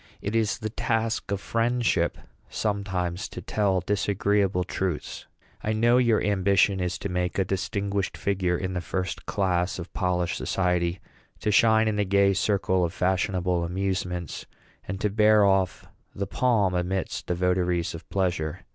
It is the task of friendship, sometimes, to tell disagreeable truths. I know your ambition is to make a distinguished figure in the first class of polished society, to shine in the gay circle of fashionable amusements, and to bear off the palm amidst the votaries of pleasure.